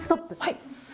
はい！